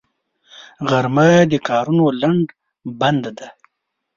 غرمه د کارونو لنډ بند دی